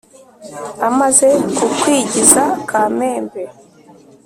Amaze kukwigiza Kamembe